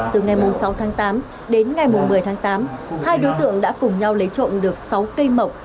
từ ngày sáu tháng tám đến ngày một mươi tháng tám hai đối tượng đã cùng nhau lấy trộm được sáu cây mộc